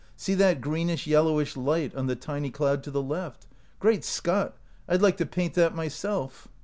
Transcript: "See that green ish yellowish light on the tiny cloud to the left. Great Scott! I'd like to paint that myself."